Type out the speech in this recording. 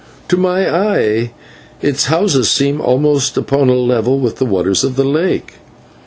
"To my eye its houses seem almost upon a level with the waters of the lake."